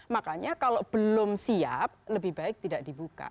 makanya kalau belum siap lebih baik tidak dibuka